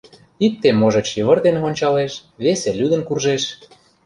Икте, можыч, йывыртен ончалеш, весе лӱдын куржеш.